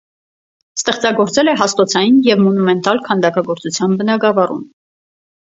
Ստեղծագործել է հաստոցային և մոնումենտալ քանդակագործության բնագավառում։